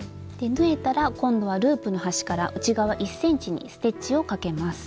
縫えたら今度はループの端から内側１ｃｍにステッチをかけます。